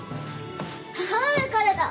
母上からだ！